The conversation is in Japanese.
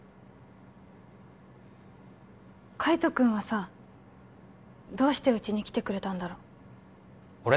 海斗君はさどうしてうちに来てくれたんだろう俺